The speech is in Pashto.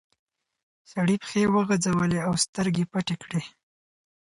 سړي پښې وغځولې او سترګې پټې کړې.